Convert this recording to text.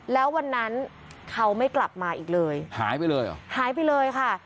แล้ววันนั้นเขาไม่กลับมาอีกเลยหายไปเลยเหรอหายไปเลยค่ะ